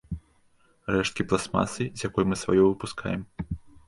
Рэшткі пластмасы, з якой мы сваё выпускаем.